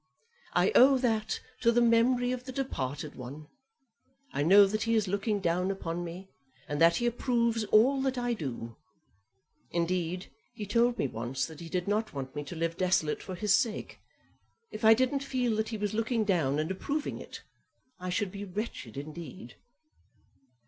I owe that to the memory of the departed one. I know that he is looking down upon me, and that he approves all that I do. Indeed, he told me once that he did not want me to live desolate for his sake. If I didn't feel that he was looking down and approving it, I should be wretched indeed."